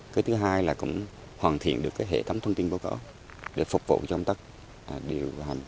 cái thứ hai là cũng hoàn thiện được hệ thống thông tin vô cỏ để phục vụ cho công tác điều hành